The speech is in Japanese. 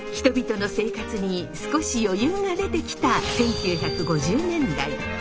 人々の生活に少し余裕が出てきた１９５０年代。